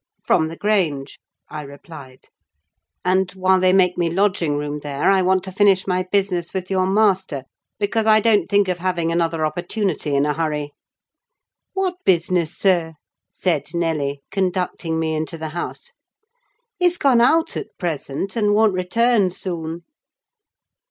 "From the Grange," I replied; "and while they make me lodging room there, I want to finish my business with your master; because I don't think of having another opportunity in a hurry." "What business, sir?" said Nelly, conducting me into the house. "He's gone out at present, and won't return soon."